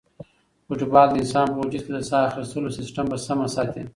فوټبال د انسان په وجود کې د ساه اخیستلو سیسټم په سمه ساتي.